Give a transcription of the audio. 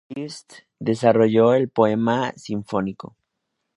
Liszt desarrolló el poema sinfónico.